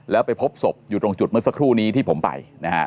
แล้วไปพบศพอยู่ตรงจุดเมื่อสักครู่นี้ที่ผมไปนะฮะ